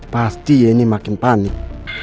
pasti yeni makin panik